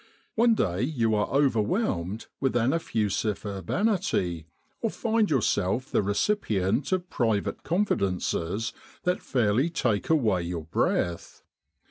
One day you are over whelmed with an effusive urbanity, or find yourself the recipient of private confidences that fairly take away your breath.